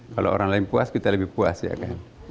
kalau orang lain puas kita lebih puas ya kan